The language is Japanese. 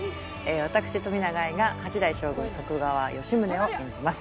わたくし冨永愛が８代将軍徳川吉宗を演じます。